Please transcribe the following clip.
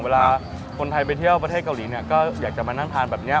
เวลาคนไทยไปเที่ยวประเทศเกาหลีเนี่ยก็อยากจะมานั่งทานแบบนี้